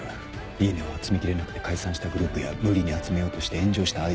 いいねを集めきれなくて解散したグループや無理に集めようとして炎上したアイドルもいる。